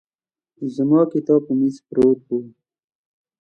زما کتاب په مېز پراته وو.